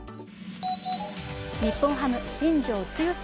日本ハム・新庄剛志